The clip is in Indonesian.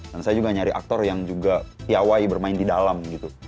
dan saya juga nyari aktor yang juga tiawai bermain di dalam gitu